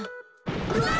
うわ！